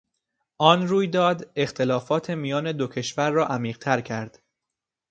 آن رویداد اختلافات میان دو کشور را عمیقتر کرد.